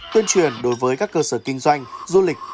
tuyên truyền đối với các cơ sở kinh doanh du lịch